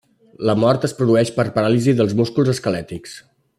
La mort es produeix per paràlisi dels músculs esquelètics.